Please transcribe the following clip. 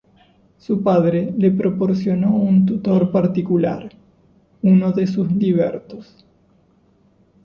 Su padre le proporcionó un tutor particular, uno de sus libertos.